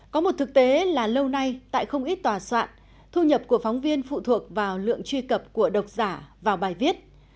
có một thực tế là lâu nay tại không ít tòa soạn thu nhập của phóng viên phụ thuộc vào lượng truy cập của độc giả vào bài viết